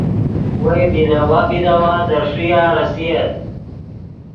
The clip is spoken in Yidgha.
وئے بیداوا بیداوا دے ݰویہ ریسییت